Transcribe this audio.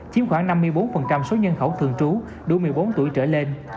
chiếm khoảng năm mươi bốn số nhân khẩu thường trú đủ một mươi bốn tuổi trở lên